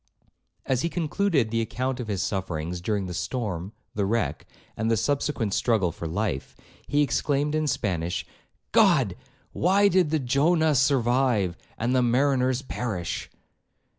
As he concluded the account of his sufferings during the storm, the wreck, and the subsequent struggle for life, he exclaimed in Spanish, 'God! why did the Jonah survive, and the mariners perish?'